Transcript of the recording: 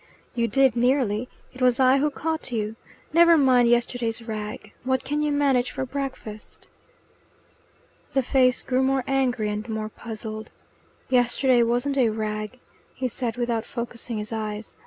"You did nearly! It was I who caught you. Never mind yesterday's rag. What can you manage for breakfast?" The face grew more angry and more puzzled. "Yesterday wasn't a rag," he said without focusing his eyes.